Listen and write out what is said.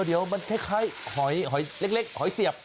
เดี๋ยวมันคล้ายหอยหอยเล็กหอยเสียบ